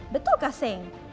betul kah seng